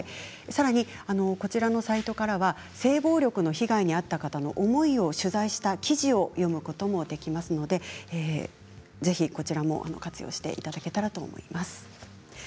さらにこちらのサイトからは性暴力の被害に遭った方の思いを取材した記事を読むこともできますのでぜひ活用していただけたらと思います。